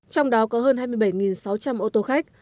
trong đó có hơn hai mươi bảy sáu trăm linh ô tô khách